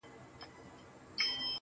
منظور پښتون تر خپلواکۍ پورې حتمي وساتئ